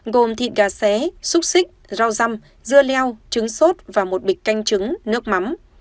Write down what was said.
gồm thịt gà xé xúc xích rau dăm dưa leo trứng sốt và một bịch canh trứng nước mắm